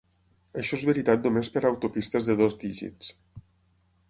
Això es veritat només per autopistes de dos dígits.